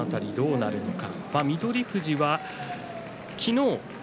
その辺り、どうなるのか。